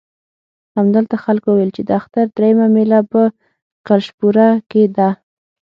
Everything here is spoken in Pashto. همدلته خلکو وویل چې د اختر درېیمه مېله په کلشپوره کې ده.